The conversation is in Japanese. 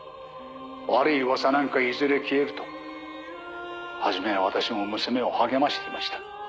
悪い噂なんかいずれ消えると初めは私も娘を励ましていました。